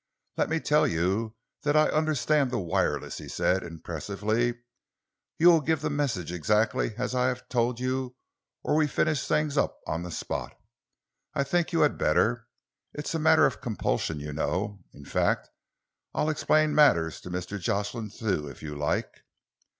"Let me tell you that I understand the wireless," he said impressively. "You will give the message exactly as I have told you or we finish things up on the spot. I think you had better. It's a matter of compulsion, you know in fact I'll explain matters to Mr. Jocelyn Thew, if you like."